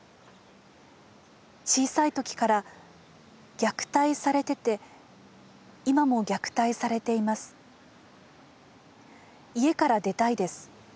小さいときから虐待されてて今も虐待されています家からでたいです